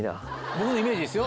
僕のイメージですよ